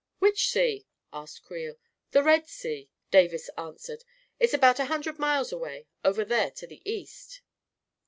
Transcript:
"Which sea? "asked Creel " The Red Sea," Davis answered. " It's about a hundred miles away, over there to the east."